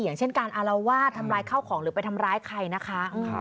อย่างเช่นการอารวาสทำลายข้าวของหรือไปทำร้ายใครนะคะ